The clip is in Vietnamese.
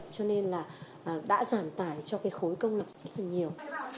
cho nên là đã giảm tải cho cái khối công lập rất là nhiều